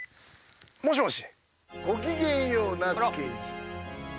もしもし？